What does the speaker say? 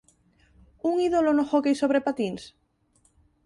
¿Un ídolo no hóckey sobre patíns?